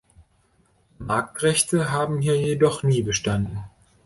Marktrechte haben hier jedoch nie bestanden.